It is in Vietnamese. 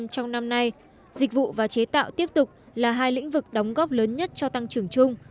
trong năm nay dịch vụ và chế tạo tiếp tục là hai lĩnh vực đóng góp lớn nhất cho tăng trưởng chung